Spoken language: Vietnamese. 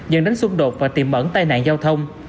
dần đánh xung đột và tiềm ẩn tai nạn giao thông